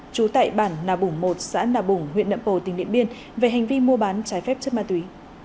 trú tại bản nà bủng một xã nà bủng huyện nậm pồ tỉnh điện biên về hành vi mua bán trái phép chất ma túy